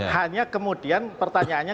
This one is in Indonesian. hanya kemudian pertanyaannya